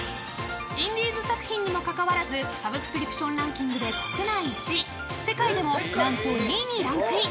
インディーズ作品にもかかわらずサブスクリプションランキングで国内１位世界でも何と２位にランクイン！